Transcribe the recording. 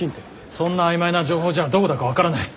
そんな曖昧な情報じゃどこだか分からない。